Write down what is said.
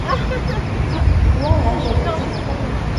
¿tú habrás bebido?